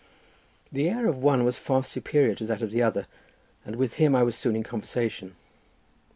The air of one was far superior to that of the other, and with him I was soon in conversation.